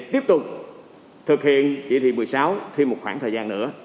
tiếp tục thực hiện chỉ thị một mươi sáu thêm một khoảng thời gian nữa